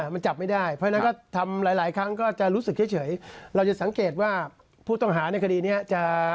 มันจับไม่ได้เพราะฉะนั้นก็ทำหลายครั้งก็จะรู้สึกเฉยเราจะสังเกตว่าผู้ต้องหาในคดีนี้จะ